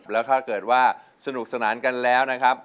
แล้วถ้าเกิดว่าสนุกสนานกันแล้วนะครับ